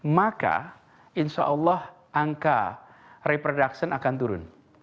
maka insya allah angka reproduction akan turun